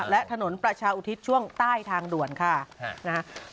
และถนนประชาอุทิศช่วงใต้ทางด่วนค่ะนะฮะ